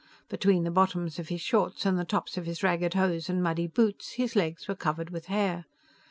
Between the bottoms of his shorts and the tops of his ragged hose and muddy boots, his legs were covered with hair.